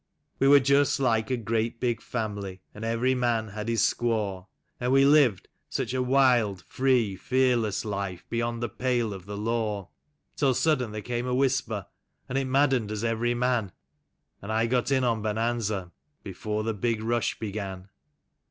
" We were just like a great big family, and every man had his squaw, And we lived such a wild, free, fearless life beyond the pale of the law; THE PARSON'S SON. 13 Till sudden there came a whisper, and it maddened us every man, And I got in on Bonanza before the big rush began.